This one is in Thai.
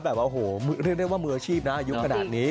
แบบว่าเรียกได้ว่ามืออาชีพนะยุคขนาดนี้